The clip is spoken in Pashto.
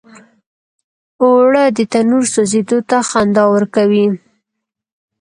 اوړه د تنور سوزیدو ته خندا ورکوي